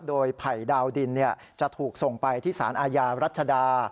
โดยไผ่ดาวดินจะถูกส่งไปที่สารอาญารัชดา